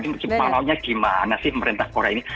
jadi bagaimana sih pemerintah korea ini